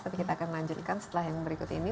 tapi kita akan lanjutkan setelah yang berikut ini